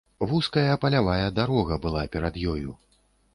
Вузкая палявая дарога была перад ёю.